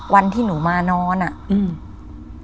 วันที่หนูมานอนอ่ะอืม